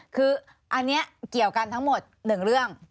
คืออันนี้เกี่ยวกันทั้งหมด๑เรื่อง